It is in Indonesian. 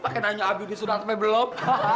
paket nanya abu udah sunat sampe belum